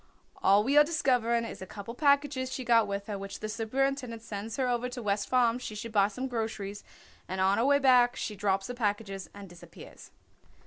"All we are discovering is a couple packages she got with her, which the superintendent sends her over to West Farms she should buy some groceries, and on her way back she drops the packages and disappears."